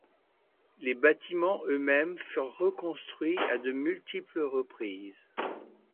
Les bâtiments eux-mêmes furent reconstruits à de multiples reprises.